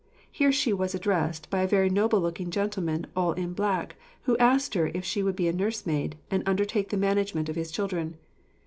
Here she 'was addressed by a very noble looking gentleman all in black, who asked her if she would be a nursemaid, and undertake the management of his children.